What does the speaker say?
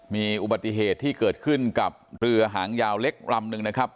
มีอุบัติเหตุที่เกิดขึ้นกับเรือหางยาวเล็กลำนึงนะครับ